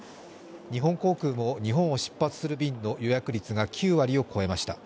日本航空も日本を出発する便の予約率が９割を超えました。